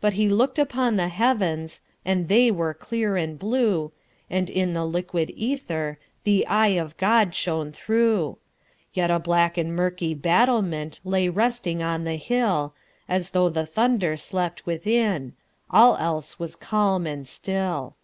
But he look'd upon the heavens, And they were clear and blue, And in the liquid etherThe eye of God shone through; Yet a black and murky battlementLay resting on the hill, As though the thunder slept within—All else was clam and still.